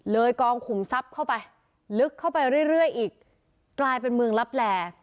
กองขุมทรัพย์เข้าไปลึกเข้าไปเรื่อยอีกกลายเป็นเมืองลับแล